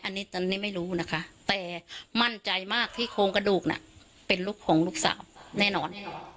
อันนี้ตอนนี้ไม่รู้นะคะแต่มั่นใจมากที่โครงกระดูกน่ะเป็นลูกของลูกสาวแน่นอน